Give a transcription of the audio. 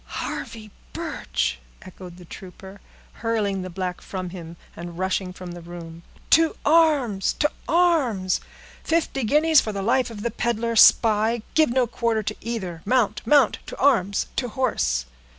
"Harvey Birch!" echoed the trooper, hurling the black from him, and rushing from the room. "To arms! to arms! Fifty guineas for the life of the peddler spy—give no quarter to either. Mount, mount! to arms! to horse!"